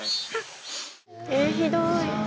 えひどい。